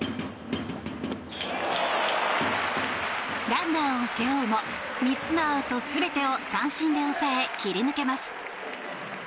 ランナーを背負うも３つのアウト全てを三振で抑え、切り抜けます。